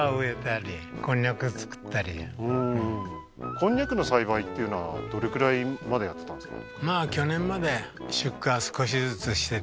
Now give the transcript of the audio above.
こんにゃくの栽培っていうのはどれくらいまでやってたんですか？